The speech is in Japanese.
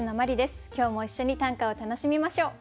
今日も一緒に短歌を楽しみましょう。